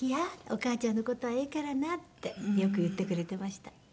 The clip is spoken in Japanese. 「お母ちゃんの事はええからな」ってよく言ってくれてました。